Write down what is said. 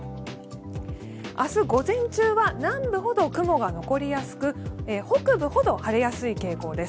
明日午前中は南部ほど雲が残りやすく北部ほど晴れやすい傾向です。